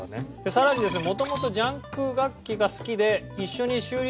さらにですね。